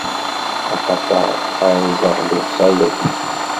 Axaṭer ḥerzeɣ lewṣayat-ik.